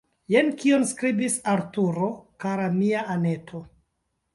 Jen kion skribis Arturo: « Kara mia Anneto!